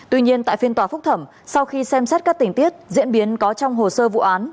tuy nhiên tại phiên tòa phúc thẩm sau khi xem xét các tình tiết diễn biến có trong hồ sơ vụ án